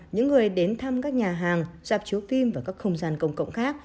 những người đến thăm các nhà hàng dạp chiếu phim và các không gian công cộng khác